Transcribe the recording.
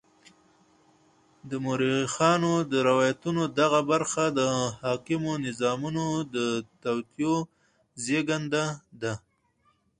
د مورخانو د روایتونو دغه برخه د حاکمو نظامونو د توطیو زېږنده ده.